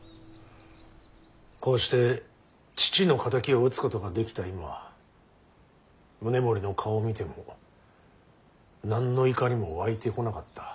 こうして父の敵を討つことができた今宗盛の顔を見ても何の怒りも湧いてこなかった。